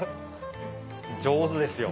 上手ですよ。